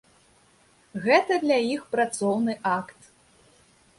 Гэта для іх працоўны акт.